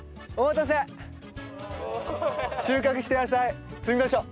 収穫した野菜積みましょう。